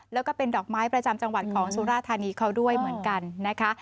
แล้วก็เป็นดอกไม้ประจำจังหวัดของสุราธานีเขาด้วยเหมือนกันนะคะ